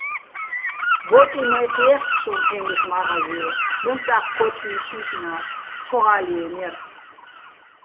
ბო́ტიჼ მაჲჴი̆ ჲე́ხკო̆ სოჼ ფე́ნიხ მა́ღაზიე, მელწა́ხ ქო́თმინ თი́ლ'ნა́ს, ცო ღა́ლჲიენო̆ ჲარ.